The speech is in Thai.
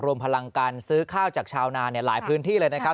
รวมพลังการซื้อข้าวจากชาวนาหลายพื้นที่เลยนะครับ